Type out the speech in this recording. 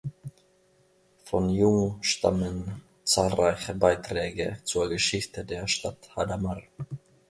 Von Jung stammen zahlreiche Beiträge zur Geschichte der Stadt Hadamar.